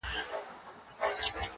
ما پرون د ګل تصویر جوړ کړ ته نه وې،